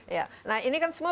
ya nah ini kan semua